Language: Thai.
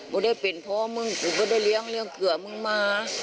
ไม่ได้เป็นพ่อมึงกูก็ได้เลี้ยงเผื่อมึงมา